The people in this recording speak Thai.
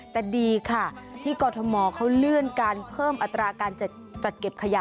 แต่ดีค่ะที่กรทมเขาเลื่อนการเพิ่มอัตราการจัดเก็บขยะ